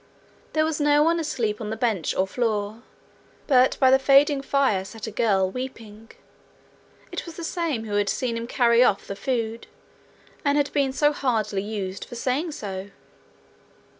There was no one asleep on the bench or floor, but by the fading fire sat a girl weeping. It was the same who had seen him carrying off the food, and had been so hardly used for saying so.